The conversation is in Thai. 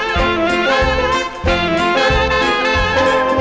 สวัสดีครับ